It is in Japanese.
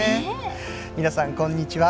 皆さん、こんにちは。